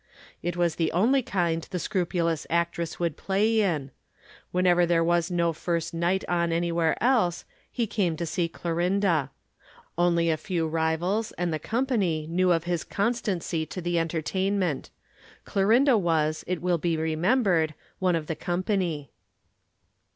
It was the only kind the scrupulous actress would play in. Whenever there was no first night on anywhere else, he went to see Clorinda. Only a few rivals and the company knew of his constancy to the entertainment. Clorinda was, it will be remembered, one of the company.